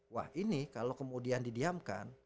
wah ini kalau kemudian didiamkan